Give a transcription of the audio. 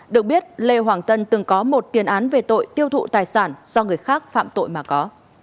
được biết lê hoàng tân từng có một tiền án về tội tiêu thụ tài sản do người khác phạm tội mà có